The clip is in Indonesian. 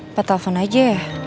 apa telfon aja ya